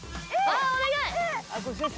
お願い！